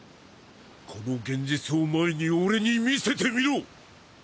この現実を前に俺に見せてみろ！